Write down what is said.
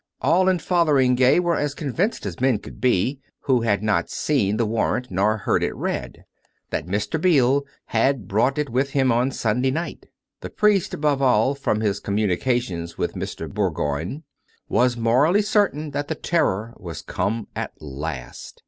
All in Fotheringay were as convinced as men could be, who had not seen the war rant nor heard it read, that Mr. Beale had brought it with him on Sunday night; the priest, above all, from his com munications with Mr. Bourgoign, was morally certain that the terror was come at last.